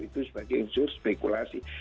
itu sebagai insur spekulasi